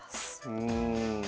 うん。